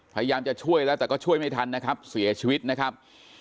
พยายามจะช่วยแล้วแต่ก็ช่วยไม่ทันนะครับเสียชีวิตนะครับ